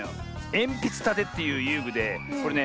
「えんぴつたて」っていうゆうぐでこれね